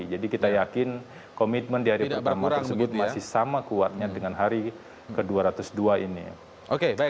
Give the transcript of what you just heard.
jadi kita yakin komitmen di hari pertama tersebut masih sama kuatnya dengan hari ke dua ratus dua ini